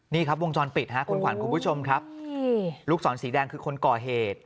นี่ครับวงจรปิดฮะคุณขวัญคุณผู้ชมครับลูกศรสีแดงคือคนก่อเหตุ